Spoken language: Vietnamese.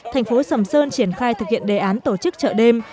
thành phố sầm sơn triển khai thực hiện đề án tổ chức chợ đêm